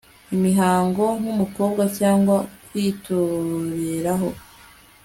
imihango nk'umukobwa cyangwa kwiroteraho